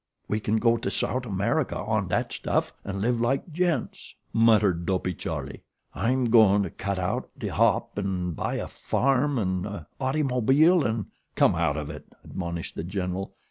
"We can go to Sout' America on dat stuff an' live like gents," muttered Dopey Charlie. "I'm goin' to cut out de Hop an' buy a farm an' a ottymobeel and " "Come out of it," admonished The General.